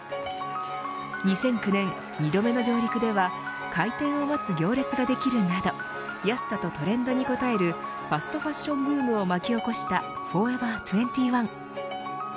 ２００９年、２度目の上陸では開店を待つ行列ができるなど安さとトレンドに応えるファストファッションブームを巻き起こしたフォーエバー２１。